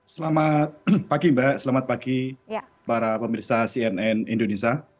selamat pagi mbak selamat pagi para pemirsa cnn indonesia